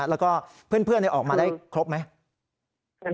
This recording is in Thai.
แล้วก็เพื่อนออกมาได้ครบไหม